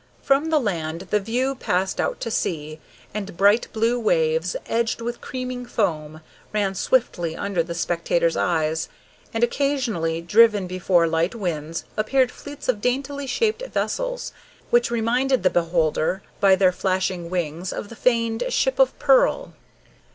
From the land the view passed out to sea, and bright blue waves, edged with creaming foam, ran swiftly under the spectator's eyes, and occasionally, driven before light winds, appeared fleets of daintily shaped vessels, which reminded the beholder, by their flashing wings, of the feigned "ship of pearl."